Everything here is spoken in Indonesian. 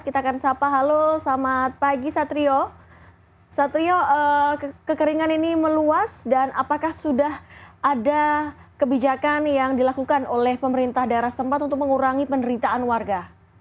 kita akan sapa halo selamat pagi satrio satrio kekeringan ini meluas dan apakah sudah ada kebijakan yang dilakukan oleh pemerintah daerah setempat untuk mengurangi penderitaan warga